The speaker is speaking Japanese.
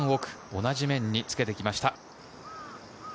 同じ面につけてきました。